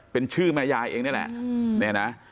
เป็นชื่อแม่ยายเองนี่แหละ